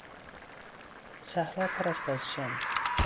صحرا پر است از شن.